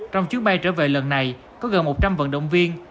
trong chuyến bay trở về lần này có gần một trăm linh vận động viên